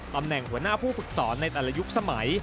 ตำแหน่งหัวหน้าผู้ฝึกสอนในแต่ละยุคสมัย